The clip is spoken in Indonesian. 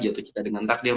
jatuh cinta dengan takdir